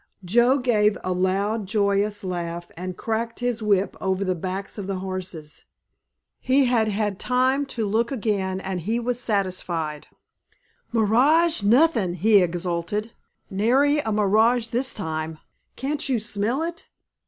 Joe gave a loud, joyous laugh and cracked his whip over the backs of the horses. He had had time to look again and he was satisfied. "Mirage nothin'!" he exulted, "nary a mirage this time! Can't you smell it?